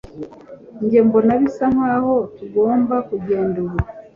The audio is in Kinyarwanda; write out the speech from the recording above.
Njye mbona bisa nkaho tugomba kugenda ubu